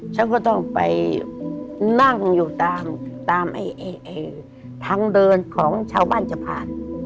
ฉันก็ต้องไปนั่งอยู่ตามทางเดินของชาวบ้านจะผ่าน